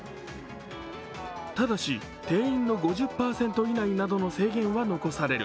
ただし定員の５０％以内などの制限は残される。